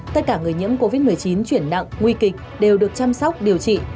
tất cả người nhiễm covid một mươi chín chuyển nặng nguy kịch đều được chăm sóc điều trị